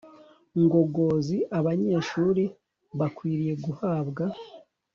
ngogozi Abanyeshuri bakwiriye guhabwa